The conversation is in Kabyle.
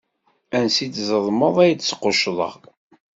Ansi d tzedmeḍ, ay d-squccḍeɣ.